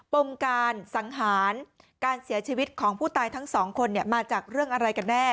ปมการสังหารการเสียชีวิตของผู้ตายทั้งสองคนมาจากเรื่องอะไรกันแน่